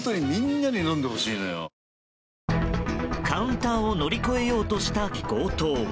カウンターを乗り越えようとした強盗